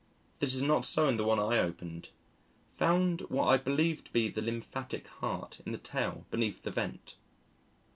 This is not so in the one I opened. Found what I believe to be the lymphatic heart in the tail beneath the vent.